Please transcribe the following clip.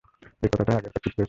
এই কথাটাই আগেকার চিঠিতেও ছিল।